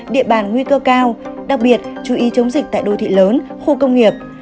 địa bàn nguy cơ cao đặc biệt chú ý chống dịch tại đô thị lớn khu công nghiệp